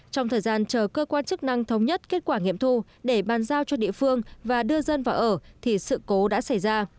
trong thời gian chờ cơ quan chức năng thống nhất kết quả nghiệm thu để ban giao cho địa phương và đưa dân vào ở thì sự cố đã xảy ra